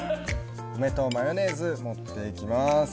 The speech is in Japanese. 梅とマヨネーズを盛っていきます。